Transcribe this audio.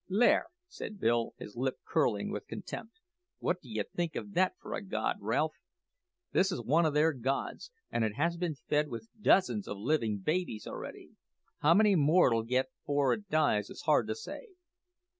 "There!" said Bill, his lip curling with contempt; "what do you think of that for a god, Ralph? This is one o' their gods, and it has been fed with dozens o' livin' babies already. How many more it'll get afore it dies is hard to say."